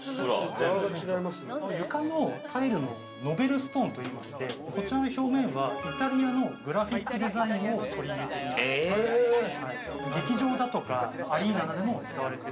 床のタイルはノベルストーンといいまして、こちらの表面はイタリアのグラフィックデザインを取り入れている。